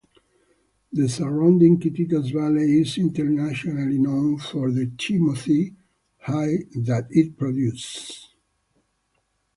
The surrounding Kittitas Valley is internationally known for the timothy hay that it produces.